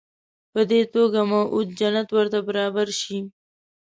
په دې توګه موعود جنت ورته برابر شي.